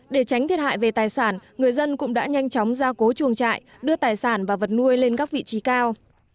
để tránh thiệt hại về tài sản người dân cũng đã nhanh chóng ra cố chuồng trại đưa tài sản và vật nuôi lên các vị trí cao